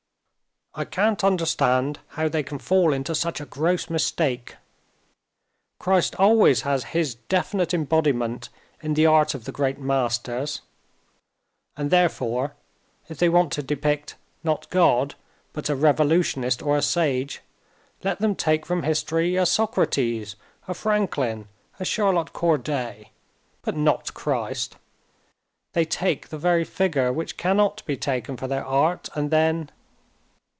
"I can't understand how they can fall into such a gross mistake. Christ always has His definite embodiment in the art of the great masters. And therefore, if they want to depict, not God, but a revolutionist or a sage, let them take from history a Socrates, a Franklin, a Charlotte Corday, but not Christ. They take the very figure which cannot be taken for their art, and then...."